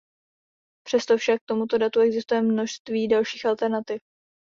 Přesto však k tomuto datu existuje množství dalších alternativ.